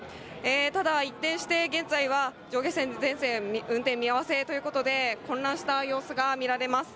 ただ、一転して、現在は上下線全線運転見合わせということで、混乱した様子が見られます。